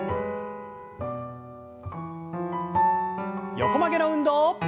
横曲げの運動。